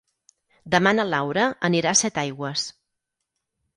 Demà na Laura anirà a Setaigües.